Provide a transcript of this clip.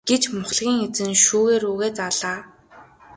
гэж мухлагийн эзэн шүүгээ рүүгээ заалаа.